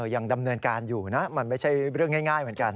ยังดำเนินการอยู่นะมันไม่ใช่เรื่องง่ายเหมือนกัน